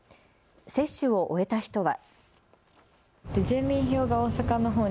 接種を終えた人は。